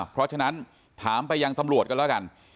เพราะฉะนั้นถามไปยังตำรวจกันแล้วกัน